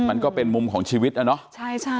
มันก็เป็นมุมของชีวิตนะเนาะ